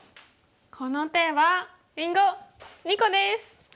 この手はりんご２個です！